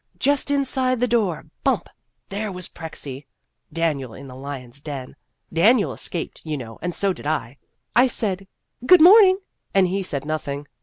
Just inside the door, bump ! there was Prexie ! Daniel in the lions' den ! Daniel escaped, you know, and so did I. I said ' Good morning,' and he said nothing.